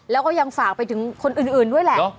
แล้วก็ยังฝากไปถึงคนอื่นด้วยแหละ